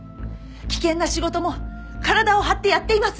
危険な仕事も体を張ってやっています。